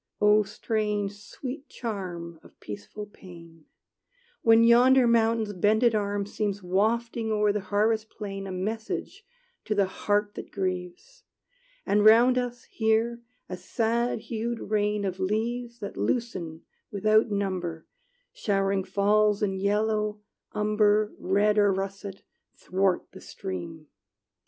O strange, sweet charm Of peaceful pain, When yonder mountain's bended arm Seems wafting o'er the harvest plain A message to the heart that grieves, And round us, here, a sad hued rain Of leaves that loosen without number Showering falls in yellow, umber, Red, or russet, 'thwart the stream!